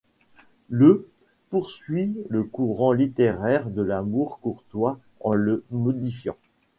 Le ' poursuit le courant littéraire de l'amour courtois en le modifiant.